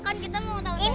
kan kita mau tahun tahun